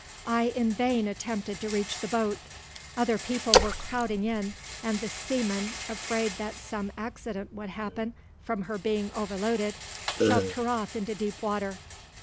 I in vain attempted to reach the boat. Other people were crowding in, and the seamen, afraid that some accident would happen from her being overloaded, shoved her off into deep water.